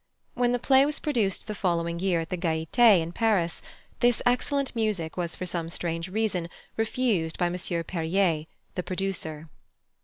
When the play was produced the following year at the Gaieté in Paris, this excellent music was for some strange reason refused by M. Perrier, the producer.